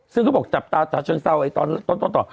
ซึ่งเขาบอกจับตาชลงเศร้าไ้ตอนต้นต่อ